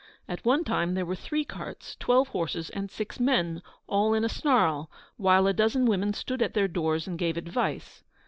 At one time there were three carts, twelve horses, and six men, all in a snarl, while a dozen women stood at their doors and gave advice.